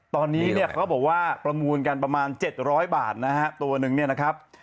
ตอนนี้เนี่ยเขาบอกว่าประมูลกันประมาณ๗๐๐บาทนะฮะตัวนึงเนี่ยนะครับ